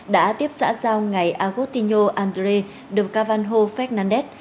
đã tiếp xã giao ngày agostinho andré de cavanjo fernandez